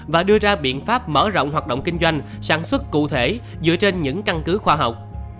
và đưa ra biện pháp mở rộng hoạt động kinh doanh sản xuất cụ thể dựa trên những căn cứ khoa học